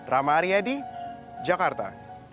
rama aryadi jakarta